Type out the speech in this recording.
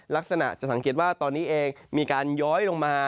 ลักษณะจะสังเกตว่าตอนนี้เองมีการย้อยลงมา